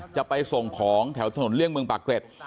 จะไปส่งของแถวถนนเลี่ยงเมืองปากเกร็ด